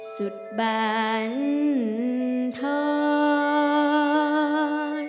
สุดบรรทอง